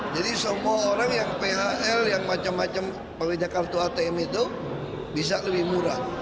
jadi semua orang yang phl yang macam macam panggilnya kartu atm itu bisa lebih murah